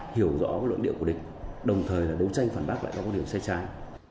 hiểu rõ lượng điệu của địch đồng thời đấu tranh phản bác lại qua các điều xe trái